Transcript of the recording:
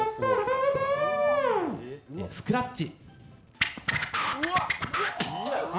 スクラッチ。